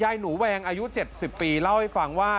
หนูแวงอายุ๗๐ปีเล่าให้ฟังว่า